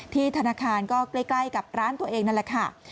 ธนาคารก็ใกล้กับร้านตัวเองนั่นแหละค่ะ